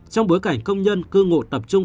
trong bối cảnh công nhân cư ngụ tập trung